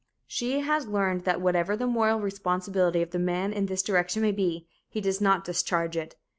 She has learned that whatever the moral responsibility of the man in this direction may be, he does not discharge it.